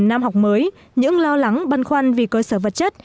năm học mới những lo lắng băn khoăn vì cơ sở vật chất